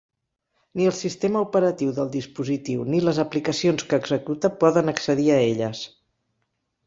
Ni el sistema operatiu del dispositiu ni les aplicacions que executa poden accedir a elles.